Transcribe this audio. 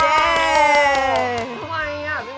ได้แอบหนีไปเข้าห้องน้ำกลางรายการบ่อยที่สุด